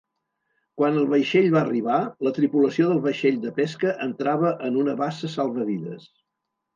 Quan el vaixell va arribar, la tripulació del vaixell de pesca entrava en una bassa salvavides.